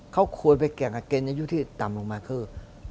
เขาควรไปแข่งกับเกณฑ์อายุที่ต่ำลงมาคือ